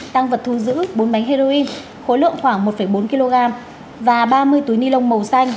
tăng vật thu giữ bốn bánh heroin khối lượng khoảng một bốn kg và ba mươi túi ni lông màu xanh